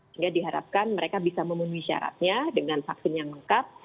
sehingga diharapkan mereka bisa memenuhi syaratnya dengan vaksin yang lengkap